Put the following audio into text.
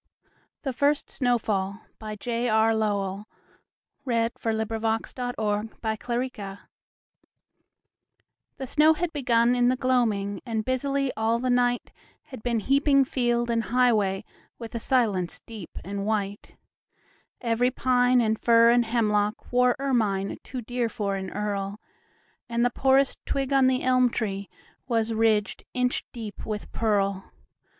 Anthology, 1787–1900. 1900. By James RussellLowell 351 The First Snow Fall THE SNOW had begun in the gloaming, And busily all the nightHad been heaping field and highwayWith a silence deep and white. Every pine and fir and hemlockWore ermine too dear for an earl, And the poorest twig on the elm treeWas ridged inch deep with pearl.